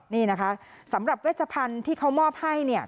นี่นะคะสำหรับเวชพันธุ์ที่เขามอบให้เนี่ย